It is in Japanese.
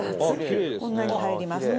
「こんなに入ります」